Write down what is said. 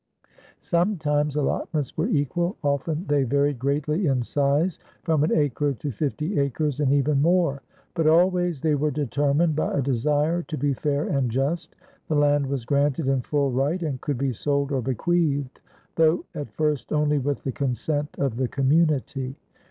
Sometimes allotments were equal; often they varied greatly in size, from an acre to fifty acres and even more; but always they were determined by a desire to be fair and just. The land was granted in full right and could be sold or bequeathed, though at first only with the consent of the community.